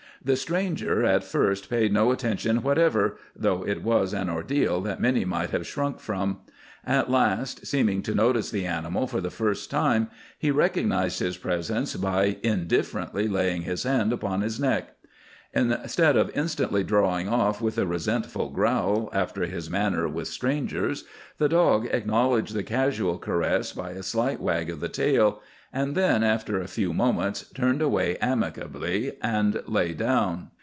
The stranger at first paid no attention whatever, though it was an ordeal that many might have shrunk from. At last, seeming to notice the animal for the first time, he recognized his presence by indifferently laying his hand upon his neck. Instead of instantly drawing off with a resentful growl, after his manner with strangers, the dog acknowledged the casual caress by a slight wag of the tail, and then, after a few moments, turned away amicably and lay down.